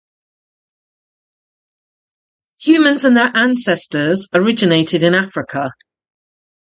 Humans and their ancestors originated in Africa.